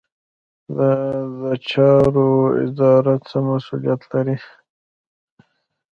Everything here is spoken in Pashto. د چارو اداره څه مسوولیت لري؟